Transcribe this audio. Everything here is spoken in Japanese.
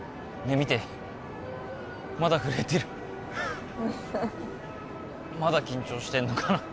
見てまだ震えてるまだ緊張してんのかな